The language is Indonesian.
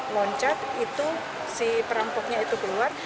loncat itu si perampoknya itu keluar